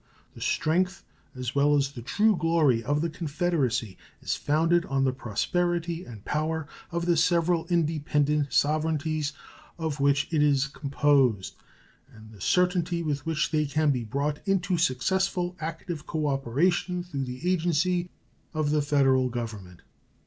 The strength as well as the true glory of the Confederacy is founded on the prosperity and power of the several independent sovereignties of which it is composed and the certainty with which they can be brought into successful active cooperation through the agency of the Federal Government.